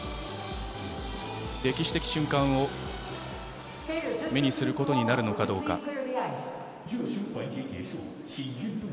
歴史的瞬間を目にすることになるのかどうか。